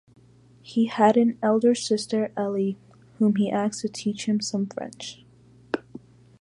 He had an elder sister Elly, whom he asked to teach him some French.